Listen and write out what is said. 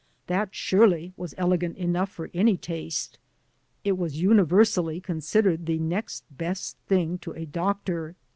That, surely, was elegant enough for any taste. It was universally considered the next best thing to a doctor.